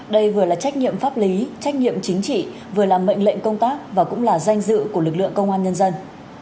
đây vừa là trách nhiệm pháp lý trách nhiệm chính trị vừa làm mệnh lệnh công tác và cũng là danh dự của lực lượng công an nhân dân